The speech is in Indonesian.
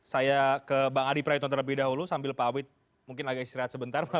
saya ke bang adi praetno terlebih dahulu sambil pak awid mungkin agak istirahat sebentar